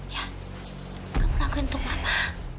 ya kamu lakukan untuk mama